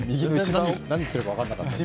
何言ってるか分からなかったです。